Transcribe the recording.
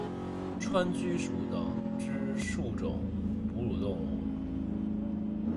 川鼩属等之数种哺乳动物。